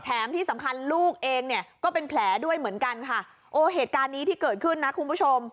ที่สำคัญลูกเองเนี่ยก็เป็นแผลด้วยเหมือนกันค่ะโอ้เหตุการณ์นี้ที่เกิดขึ้นนะคุณผู้ชม